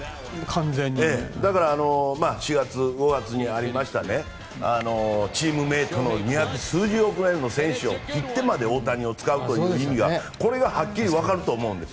だから４月、５月にありましたチームメートの二百数十億円の選手を振ってまで大谷を使うという意味がはっきり分かると思うんです。